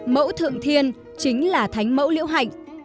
mẫu thượng thiên chính là thánh mẫu liễu hạnh